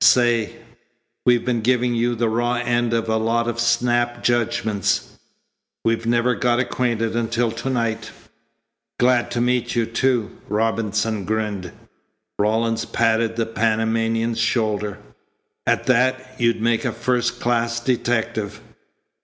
"Say! We've been giving you the raw end of a lot of snap judgments. We've never got acquainted until to night." "Glad to meet you, too," Robinson grinned. Rawlins patted the Panamanian's shoulder. "At that, you'd make a first class detective."